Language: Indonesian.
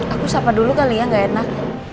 aku sapa dulu kali ya gak enak